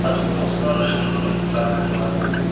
د جهاد بریا په اخلاص او نیت پوري تړلې ده.